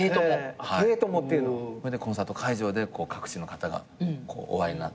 コンサート会場で各地の方がこうお会いになって。